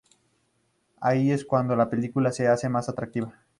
Ahí es cuando la película se hace más atractiva.